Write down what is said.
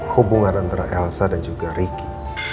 hubungan antara elsa dan juga ricky